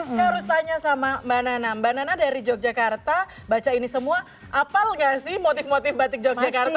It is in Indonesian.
saya harus tanya sama mbak nana mbak nana dari yogyakarta baca ini semua apal gak sih motif motif batik yogyakarta